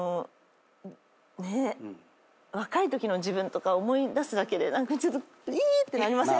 若いときの自分とか思い出すだけで何かちょっといーっ！ってなりません？